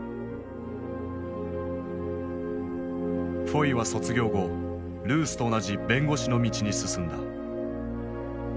フォイは卒業後ルースと同じ弁護士の道に進んだ。